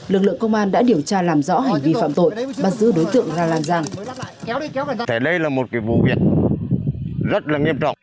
lực lượng công an đã điều tra làm rõ hành vi phạm tội bắt giữ đối tượng ra lan giang